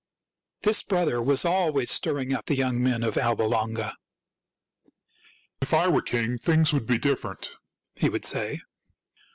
This brother was always stirring up the young men of Alba Longa. '" If I were king, things would be different," he would say.